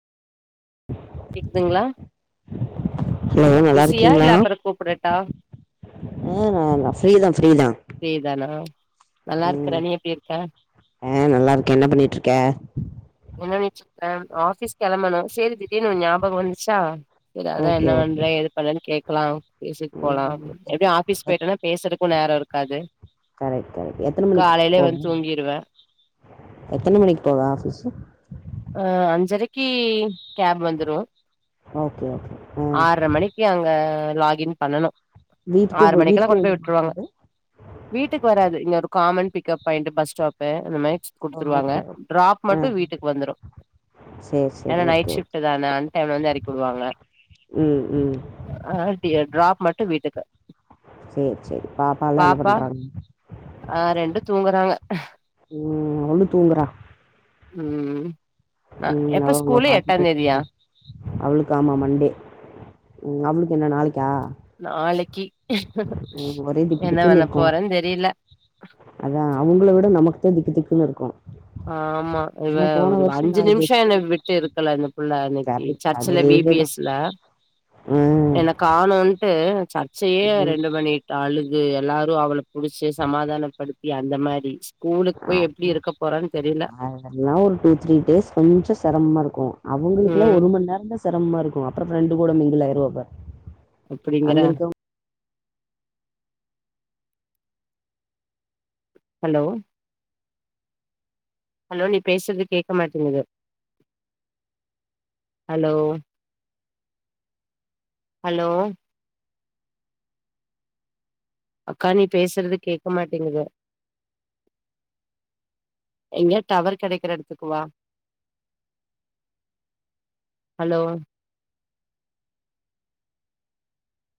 [inaudible] கேக்குதுங்ளா ஹலோ நல்லா பிஸியா இருக்கீங்களா இல்ல அப்பற கூப்புடட்டா ஆ நா ஃப்ரீ தா ஃப்ரீ தா ஃப்ரீதானே நல்லா இருக்கிற ம் நீ எப்டி இருக்க ஆ நல்லா இருக்கே என்ன பண்ணிட்ருக்க எனப் பண்ணிட்ருக்க ஆஃபிஸ் கெளம்பணு சேரி திடீர்ணு ஓ ஞாபக வந்துச்சா சேரி அதா ஓகே என்ன ஓகே பண்ற ஏது பண்றன்னு கேக்கலா பேசிட்டு போலா ம் எப்டியு ஆபீஸ் போயிட்டனா பேசுறதுக்கு நேர இருக்காது கரெக்ட் கரெக்ட் எத்தன மணிக்கு காலைல போவ வந்து தூங்கிருவே எத்தன மணிக்கு போவ ஆஃபீஸு ஆ அஞ்சரைக்கு கேப் வந்துரு ஒகே ஒகே ஆற்ர மணிக்கு அங்க லாகின் பண்ணணு வீட்டுக்கே ஆறு போ மணிக்கெல்லா வீட்டுக்கே கொண்டு போய் வந்துருமா விட்ருவாங்க கேபு வீட்டுக்கு வராது இங்க ஒரு common pickup point bus stop அந்தமாரி குடுத்துருவாங்க ஓகே டிராப் ஆ மட்டு வீட்டுக்கு வந்துரு சேரி சேரி ஏனா ஓகே நைட் ஓகே ஷிப்ட்டு தானே அன் டைம்ல வந்து எறக்கிவிடுவாங்க ம் ம் ஆ டியர் ட்ராப் மட்டு வீட்டுக்கு சேரி சேரி பாப்பாலா என்ன பாப்பா பண்றாங்க ஆ ரெண்டு தூங்குறாங்க ம் அவளு தூங்குறா ம் ம ம் எப்ப அவ உங்கள ஸ்கூலு பாத்துட்டு எட்டாந்தேதியா தூங்குறா அவளுக்கு ஆமா மண்டே ம் அவளுக்கு என்ன நாளைக்கா நாளைக்கி ம் ஒரே திக்கு என்ன திக்குன்னு பண்ண இருக்கு போறேன் தெரியல அதா அவுங்கள விட நமக்கு தா திக்கு திக்குன்னு இருக்கு ஆமா இவ ஏன்னா போன ஒரு வருஷோ நா அஞ்சு இது நிம்ஷ என்ன எக்ஸ்பீரியன்ஸ் விட்டு பண்ணே இருக்கல இந்த புள்ள அன்னைக்கு கரெக்ட் சர்ச்சுல வி பி அதேதா எஸ் ல ம் எனக் காணொன்ட்டு சர்ச்சையே ம் ரெண்டு பண்ணிட் டு அழுது எல்லாரு அவள புடிச்சு சமாதானப்படுத்தி அந்த மாரி ஸ்கூலுக்கு போய் எப்டி இருக்கப் தெரியல அதெல்லா ஒரு டூ த்ரீ டேஸ் கொஞ்ச செரமமா இருக்கு அவ்ங்களுக்குலா ம் ஒரு மண் நேரந்தா செரமமா இருக்கு அப்றோ ஃப்ரெண்டு கூட மிங்கிள் அயிருவா இவ அப்டிங்கிற ஹலோ ஹலோ நீ பேசுறது கேக்க மாட்டிங்குது ஹலோ ஹலோ அக்கா நீ பேசுறது கேக்க மாட்டிங்குது எங்கெய டவர் கெடைக்கிற எடத்துக்கு வா ஹலோ